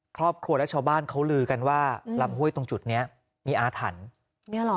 ครอบครัวและชาวบ้านเขาลือกันว่าลำห้วยตรงจุดเนี้ยมีอาถรรพ์เนี่ยเหรอ